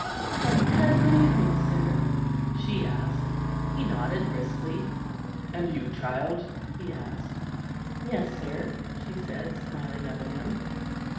"Have you had a good evening, sir?" she asked. He nodded briskly. "And you, child?" he asked. "Yes, sir," she said, smiling up at him.